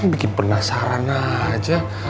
bikin penasaran aja